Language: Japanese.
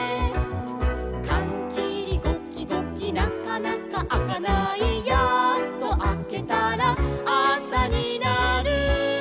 「かんきりゴキゴキなかなかあかない」「やっとあけたらあさになる」